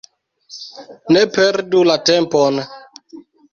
Ne perdu la tempon!